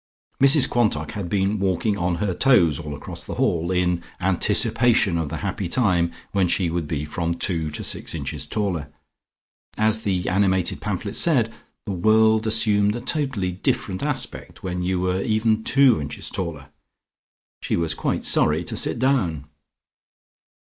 Mrs Quantock had been walking on her toes all across the hall, in anticipation of the happy time when she would be from two to six inches taller. As the animated pamphlet said, the world assumed a totally different aspect when you were even two inches taller. She was quite sorry to sit down.